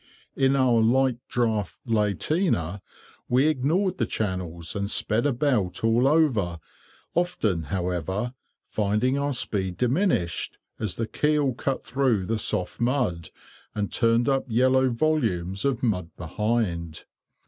In our light draught lateener, we ignored the channels, and sped about all over, often, however, finding our speed diminished, as the keel cut through the soft mud, and turned up yellow volumes of mud behind.